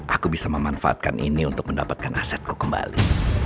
aku bisa memanfaatkan ini untuk mendapatkan asetku kembali